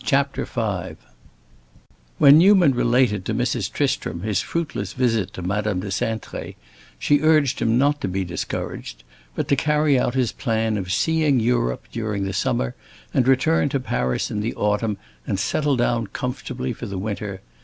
CHAPTER V When Newman related to Mrs. Tristram his fruitless visit to Madame de Cintré, she urged him not to be discouraged, but to carry out his plan of "seeing Europe" during the summer, and return to Paris in the autumn and settle down comfortably for the winter.